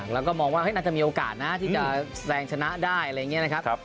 แล้วก็มองว่าน่าจะมีโอกาสนะที่จะแสดงชนะได้อะไรอย่างนี้นะครับ